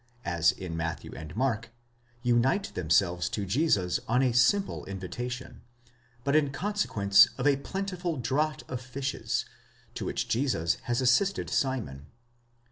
as in Matthew and Mark, unite themselves to Jesus on a simple invitation, but in consequence of a plentiful draught of fishes, to which Jesus has assisted Simon.